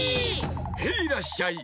ヘイらっしゃい！